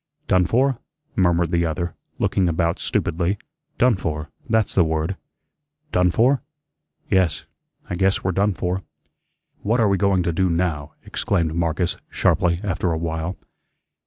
"Done for?" murmured the other, looking about stupidly. "Done for, that's the word. Done for? Yes, I guess we're done for." "What are we going to do NOW?" exclaimed Marcus, sharply, after a while.